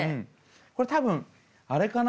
これ多分あれかな？